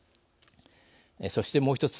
そして、もう一つ。